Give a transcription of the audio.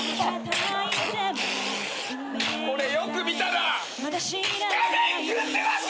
これよく見たら。